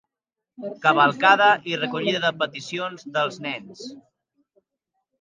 Cavalcada i recollida de peticions dels nens.